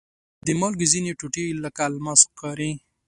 د مالګې ځینې ټوټې لکه الماس ښکاري.